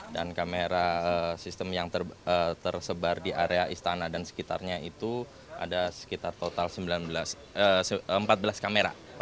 dan kamera sistem yang tersebar di area istana dan sekitarnya itu ada sekitar total empat belas kamera